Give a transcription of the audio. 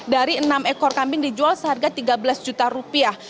dari enam ekor kambing dijual seharga tiga belas juta rupiah